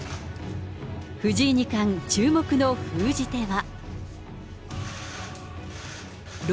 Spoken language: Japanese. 藤井二冠、注目の封じ手は。